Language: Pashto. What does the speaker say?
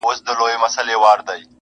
را په زړه مي خپل سبق د مثنوي سي -